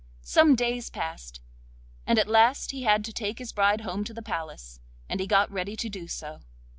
Some days passed, and at last he had to take his bride home to the palace, and he got ready to do so.